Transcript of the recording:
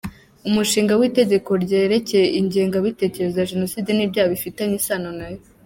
Umushinga w’Itegeko ryerekeye ingengabitekerezo ya Jenoside n’ibyaha bifitanye isano nayo;.